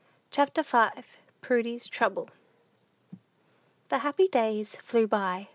CHAPTER V. PRUDY'S TROUBLE. The happy days flew by.